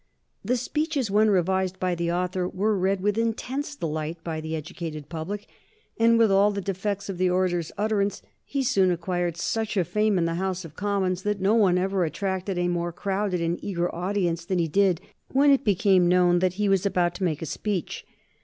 The speeches, when revised by the author, were read with intense delight by the educated public, and with all the defects of the orator's utterance he soon acquired such a fame in the House of Commons that no one ever attracted a more crowded and eager audience than he did when it became known that he was about to make a speech.